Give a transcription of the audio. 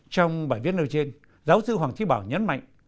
trong bài viết nơi trên giáo sư hoàng thí bảo nhấn mạnh